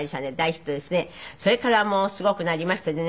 それからもうすごくなりましてね。